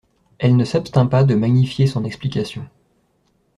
Elle ne s'abstint pas de magnifier son explication.